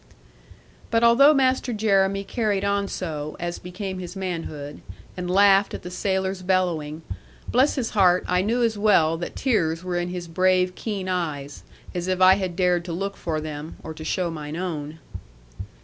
But although Master Jeremy carried on so (as became his manhood), and laughed at the sailor's bellowing; bless his heart, I knew as well that tears were in his brave keen eyes, as if I had dared to look for them, or to show mine own.